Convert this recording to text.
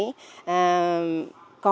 và những cái